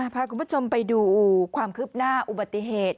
พาคุณผู้ชมไปดูความคืบหน้าอุบัติเหตุ